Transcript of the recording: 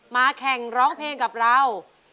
แข่งร้องเพลงกับเรา